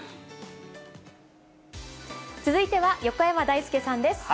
続いては、横山だいすけさん